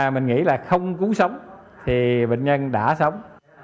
mình nghĩ là không cứu sống thì bệnh nhân đã sống